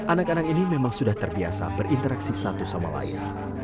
anak anak ini memang sudah terbiasa berinteraksi satu sama lain